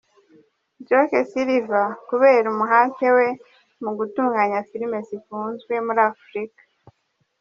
Joke Silva, kubera umuhate we mu gutunganya film zikunzwe muri Africa.